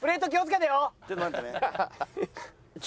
ちょっと待ってね。